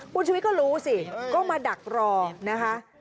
คุณชุวิตก็รู้สิก็มาดักรอนะคะ